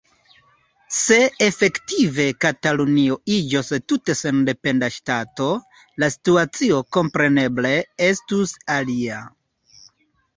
Se efektive Katalunio iĝos tute sendependa ŝtato, la situacio kompreneble estus alia.